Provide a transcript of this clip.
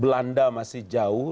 belanda masih jauh